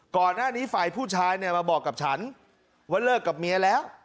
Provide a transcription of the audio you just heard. ก่อนหน้านี้ฝ่ายผู้ชายเนี่ยมาบอกกับฉันว่าเลิกกับเมียแล้ว